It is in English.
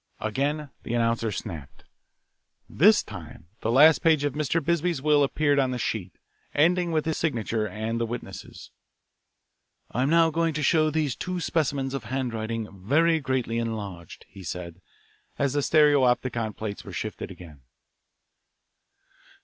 Again the announcer snapped. This time the last page of Mr. Bisbee's will appeared on the sheet, ending with his signature and the witnesses. "I'm now going to show these two specimens of handwriting very greatly enlarged," he said, as the stereopticon plates were shifted again.